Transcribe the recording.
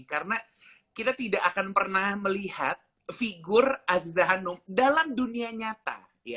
karena kita tidak akan pernah melihat figur aziza hanum dalam dunia nyata